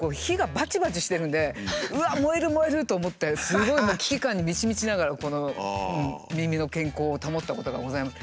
燃える燃える！と思ってすごい危機感に満ち満ちながらこの耳の健康を保ったことがございます。